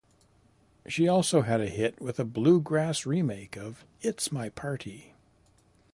She also had a hit with a bluegrass remake of "It's My Party".